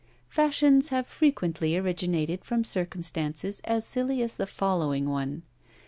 Fashions have frequently originated from circumstances as silly as the following one.